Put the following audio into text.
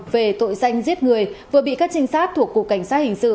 về tội danh giết người vừa bị các trinh sát thuộc cục cảnh sát hình sự